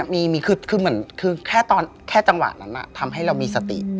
มีคือเหมือนคือแค่จังหวะนั้นทำให้เรามีสติ